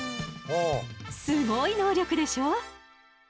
すごい能力でしょ？